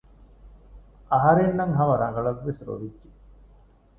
އަހަރެންނަށް ހަމަ ރަގަޅަށްވެސް ރޮވިއްޖެ